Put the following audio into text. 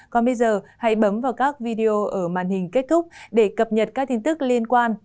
còn bây giờ hãy bấm vào các video ở màn hình kết thúc để cập nhật các tin tức liên quan